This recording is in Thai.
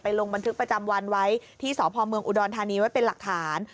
ลงบันทึกประจำวันไว้ที่สพเมืองอุดรธานีไว้เป็นหลักฐาน